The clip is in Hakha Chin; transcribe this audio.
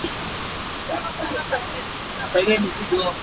Zei bantuk zawtnak dah nan inn chungkhar nih nan ngeih tawn?